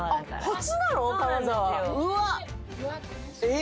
え！